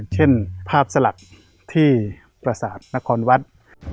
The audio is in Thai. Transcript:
เช่นภาพสหรัฐที่ประสาทนครวัฒน์